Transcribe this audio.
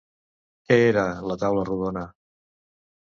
Què era la Taula Rodona?